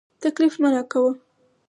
تکليف مه راکوه.